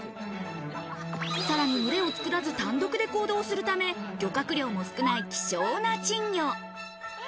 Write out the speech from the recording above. さらに群れを作らず単独で行動するため、漁獲量も少ない希少な珍魚。